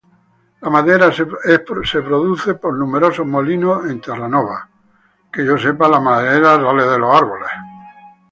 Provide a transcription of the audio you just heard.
La madera es producida por numerosos molinos en Terranova.